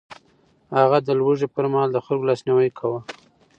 هغه د لوږې پر مهال د خلکو لاسنيوی کاوه.